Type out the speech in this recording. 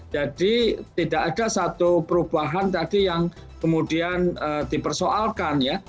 jadi tidak ada satu perubahan tadi yang kemudian dipersoalkan ya